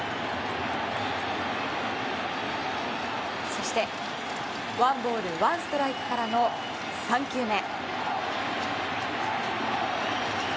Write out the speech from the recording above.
そして、ワンボールワンストライクからの３球目。